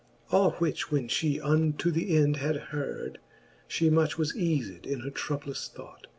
All which when flie unto the end had heard, She much was eafed in her troublous thought.